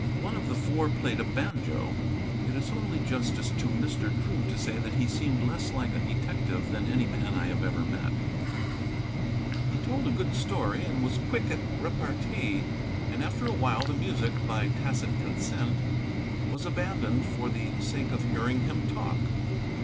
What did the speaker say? One of the Four played a banjo. It is only justice to Mr. Drew to say that he seemed less like a detective than any man I have ever met. He told a good story and was quick at repartee, and after a while the music, by tacit consent, was abandoned for the sake of hearing him talk.